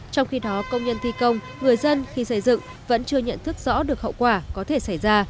trong khi đó công nhân thi công người dân khi xây dựng vẫn chưa nhận thức rõ được hậu quả có thể xảy ra